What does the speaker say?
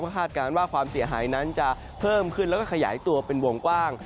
คาดการณ์ว่าความเสียหายนั้นจะเพิ่มขึ้นแล้วก็ขยายตัวเป็นวงกว้าง